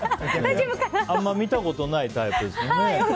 あんまり見たことないタイプですよね。